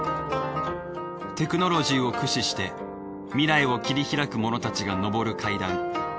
テクノロジーを駆使して未来を切り拓く者たちが昇る階段。